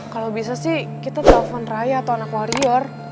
kalo bisa sih kita telfon raya atau anak warrior